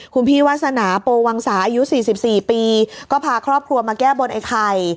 คุณพี่วาสนาโปวังสาอายุ๔๔ปีก็พาครอบครัวมาแก้บนไอ้ไข่